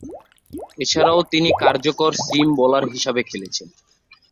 এছাড়াও, তিনি কার্যকর সিম বোলার হিসেবে খেলছেন।